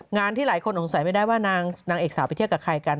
งานที่หลายคนสงสัยไม่ได้ว่านางเอกสาวไปเที่ยวกับใครกัน